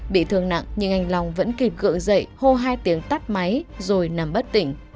bị thương nặng nhưng anh long vẫn kịp gợi dậy hô hai tiếng tắt máy rồi nằm bất tỉnh